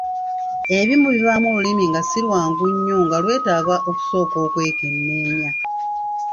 Ebimu bibaamu olulimi nga si lwangu nnyo nga lwetaaga okusooka okwekenneenya.